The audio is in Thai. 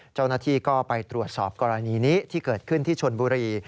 เจ้าหน้าที่ก็ไปตรวจสอบกรณีนี้ที่เกิดขึ้นที่ชนบุรี